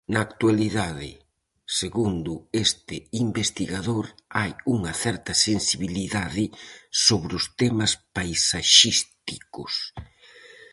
Na actualidade, segundo este investigador, "hai unha certa sensibilidade sobre os temas paisaxísticos".